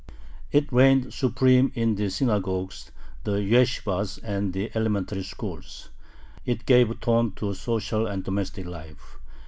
It reigned supreme in the synagogues, the yeshibahs, and the elementary schools. It gave tone to social and domestic life.